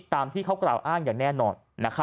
ตามที่เขากล่าวอ้างอย่างแน่นอน